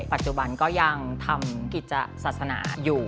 ปัจจุบันก็ยังทำกิจศาสนาอยู่